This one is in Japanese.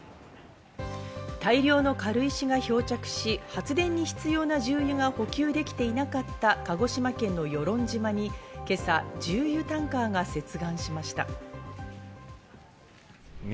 大量の軽石が漂着し、発電に必要な重油が補給できていなかった鹿児島県の与論島に今朝、重油タンカーが接岸しました。